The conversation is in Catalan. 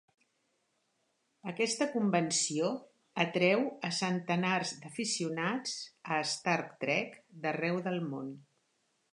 Aquesta convenció atreu a centenars d'aficionats a "Star Trek" d'arreu del món.